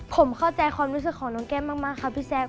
ผมเข้าใจความรู้สึกของน้องแก้มมากครับพี่แจ๊ค